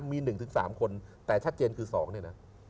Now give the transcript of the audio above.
มี๑๓คนแต่ชัดเจนคือ๒เนี่ยนะ